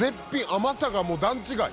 甘さがもう段違い。